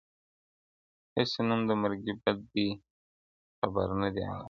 هسي نوم د مرګي بد دی خبر نه دي عالمونه-